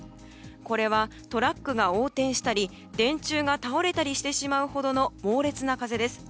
これはトラックが横転したり電柱が倒れたりするほどの猛烈な風です。